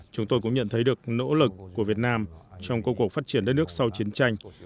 chúng tôi cũng nhận thấy được nỗ lực của việt nam trong công cuộc phát triển đất nước sau chiến tranh